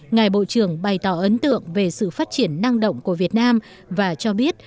ngài bộ trưởng bày tỏ ấn tượng về sự phát triển năng động của việt nam và cho biết